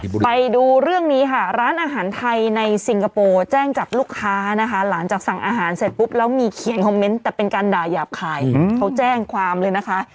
ไปดูเรื่องนี้ค่ะร้านอาหารไทยในซิงคโปร์แจ้งจับลูกค้านะคะหลังจากสั่งอาหารเสร็จปุ๊บแล้วมีเขียนคอมเมนต์แต่เป็นการด่ายาบคายเขาแจ้งความเลยนะคะ